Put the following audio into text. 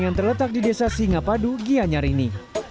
yang terletak di desa singapadu gianyarini